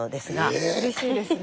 ええ⁉うれしいですね。